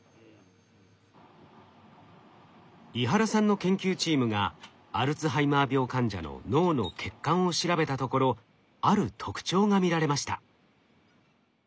猪原さんの研究チームがアルツハイマー病患者の脳の血管を調べたところある特徴が見られました。